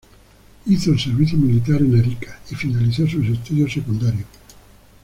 Hizo el servicio militar en Arica y finalizó sus estudios secundarios.